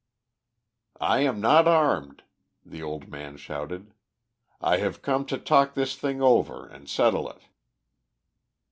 "I am not armed," the old man shouted. "I have come to talk this thing over and settle it."